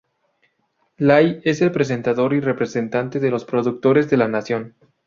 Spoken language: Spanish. Lay es el presentador y representante de los productores de la nación.